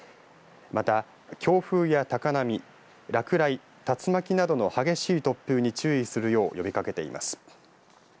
また、強風や高波落雷、竜巻などの激しい突風に注意するよう呼びかけています。